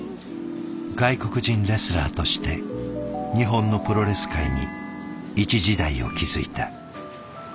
外国人レスラーとして日本のプロレス界に一時代を築いた。